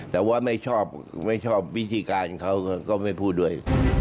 แต่ว่าไม่ชอบไม่ชอบวิธีการเขาก็ไม่พูดด้วย